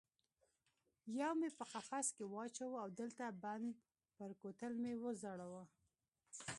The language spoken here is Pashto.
یو مې په قفس کې واچاوه او د لته بند پر کوتل مې وځړاوه.